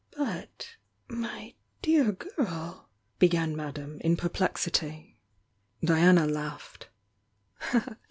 "But — my dear girl! " began Madame, in per plexity. Diana laughed.